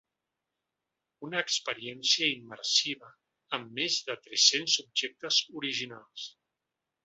Una experiència immersiva amb més de tres-cents objectes originals.